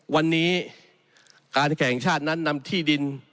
วันนี้การแข่งชาตินั้นนำที่ดิน